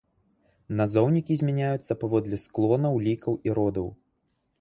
Назоўнікі змяняюцца паводле склонаў, лікаў, і родаў.